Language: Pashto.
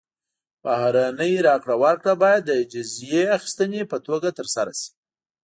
بهرنۍ راکړه ورکړه باید د جزیې اخیستنې په توګه ترسره شي.